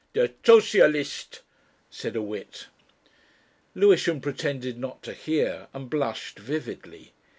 "Der Zozalist!" said a wit. Lewisham pretended not to hear and blushed vividly.